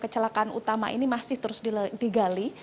kecelakaan utama ini masih terus digali